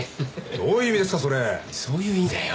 どういう意味ですか！？